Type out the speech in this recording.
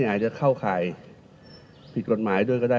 อาจจะเข้าข่ายผิดกฎหมายด้วยก็ได้